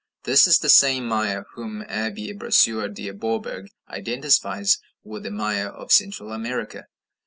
This is the same Maia whom the Abbé Brasseur de Bourbourg identifies with the Maya of Central America.